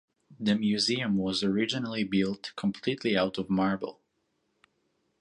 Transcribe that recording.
The museum was originally built completely out of marble.